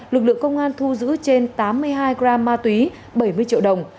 lực lượng công an thu giữ trên tám mươi hai gram ma túy bảy mươi triệu đồng